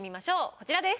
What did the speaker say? こちらです。